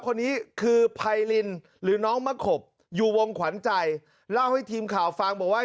คนนี้คือไพรินหรือน้องมะขบอยู่วงขวัญใจเล่าให้ทีมข่าวฟังบอกว่า